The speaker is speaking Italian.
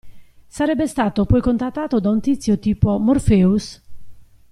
Sarebbe stato poi contattato da un tizio tipo Morpheus?